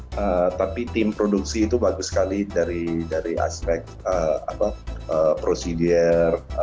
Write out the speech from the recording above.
iya itu dari sop nya tapi tim produksi itu bagus sekali dari aspek prosedur